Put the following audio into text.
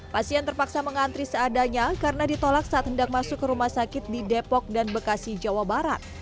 pasien terpaksa mengantri seadanya karena ditolak saat hendak masuk ke rumah sakit di depok dan bekasi jawa barat